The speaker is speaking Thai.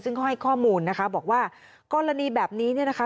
ซึ่งเขาให้ข้อมูลนะคะบอกว่ากรณีแบบนี้เนี่ยนะคะ